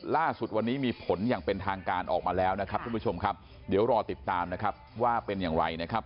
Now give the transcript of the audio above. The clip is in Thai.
ล่าสุดวันนี้มีผลอย่างเป็นทางการออกมาแล้วนะครับทุกผู้ชมครับเดี๋ยวรอติดตามนะครับว่าเป็นอย่างไรนะครับ